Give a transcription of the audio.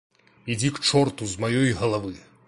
Ідзі к чорту з маёй галавы.